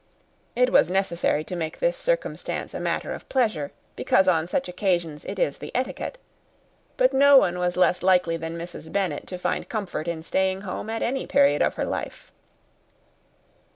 It was necessary to make this circumstance a matter of pleasure, because on such occasions it is the etiquette; but no one was less likely than Mrs. Bennet to find comfort in staying at home at any period of her life.